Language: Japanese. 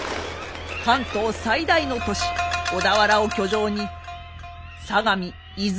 関東最大の都市小田原を居城に相模伊豆